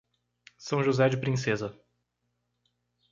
São José de Princesa